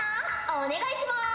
お願いします。